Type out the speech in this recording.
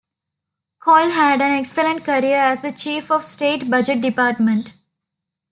Kol had an excellent career as the Chief of State Budget Department.